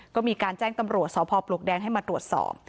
ก็มีการแจ้งตำรวจสพปลวกแดงให้มาตรวจสอบ